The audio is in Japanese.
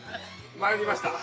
・参りました。